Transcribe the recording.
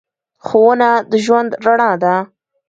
ښوونه د ژوند رڼا ده.